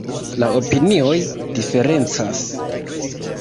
La opinioj diferencas.